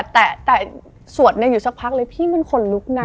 แต่สวดอยู่สักพักเลยพี่มันขนลุกนะ